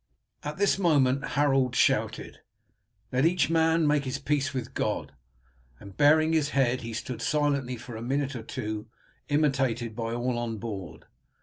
At this moment Harold shouted: "Let each man make his peace with God." And baring his head he stood silently for a minute or two, imitated by all on board.